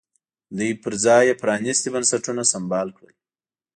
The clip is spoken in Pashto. دوی پر ځای یې پرانیستي بنسټونه سمبال کړل.